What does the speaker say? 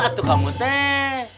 aduh kamu teh